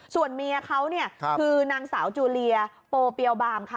ส่วนเมียเขาเนี่ยคือนางสาวจูเลียโปเปียวบามค่ะ